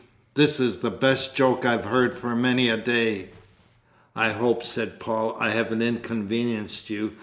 This is the best joke I've heard for many a day!" "I hope," said Paul, "I haven't inconvenienced you.